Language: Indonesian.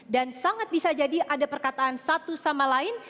dan sangat bisa jadi ada perkataan satu sama lain